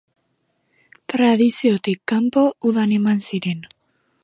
Tradiziotik kanpo, udan, eman ziren.